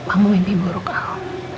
aku mimpi buruk al